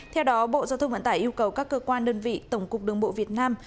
theo đó bộ giao thông vận tải yêu cầu các cơ quan đơn vị tổng cục đường bộ việt nam